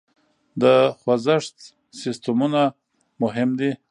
د خوزښت سیسټمونه مهم دي.